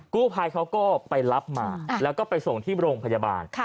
กู้ภัยเขาก็ไปรับมาแล้วก็ไปส่งที่โรงพยาบาล